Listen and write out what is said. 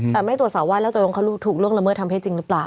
แต่ไม่ตรวจสอบว่าแล้วตรวจสอบกรณีถูกร่วงละเมิดทำให้จริงหรือเปล่า